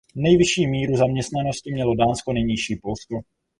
Nejvyšší míru zaměstnanosti mělo Dánsko, nejnižší Polsko.